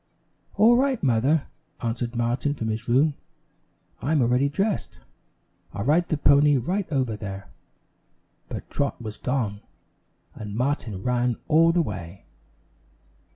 "All right, Mother," answered Martin from his room. "I'm already dressed, I'll ride the pony right over there." But Trot was gone, and Martin ran all the way.